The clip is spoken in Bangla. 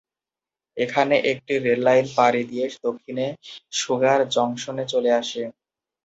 এখানে একটি রেললাইন পাড়ি দিয়ে দক্ষিণে সুগার জংশনে চলে আসে।